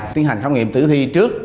tiến hành khám nghiệm tử thi trước